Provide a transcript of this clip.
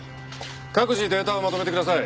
各自データをまとめてください。